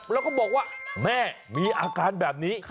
แล้วก็บอกว่าแม่มีอาการแบบนี้